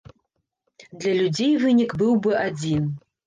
Для людзей вынік быў бы адзін.